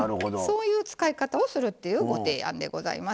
そういう使い方をするっていうご提案でございます。